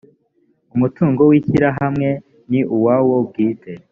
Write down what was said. umutungo w ishyirahamwe ni uwawo bwite